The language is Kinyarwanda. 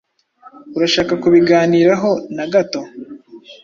Urashaka kubiganiraho na gato?